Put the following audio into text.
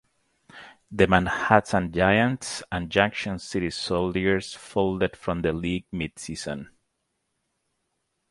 The Manhattan Giants and Junction City Soldiers folded from the league mid–season.